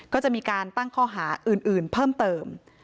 ก็จะมีการตั้งข้อหาอื่นเพิ่มเติม